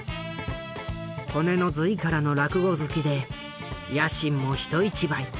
骨の髄からの落語好きで野心も人一倍。